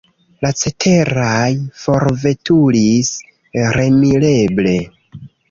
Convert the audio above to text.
La ceteraj forveturis remileble.